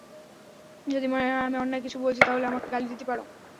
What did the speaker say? যদি মনে হয় আমি অন্যায় কিছু বলছি, তাহলে আমাকে গালি দিতে পারো।